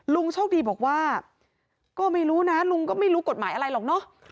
โชคดีบอกว่าก็ไม่รู้นะลุงก็ไม่รู้กฎหมายอะไรหรอกเนอะ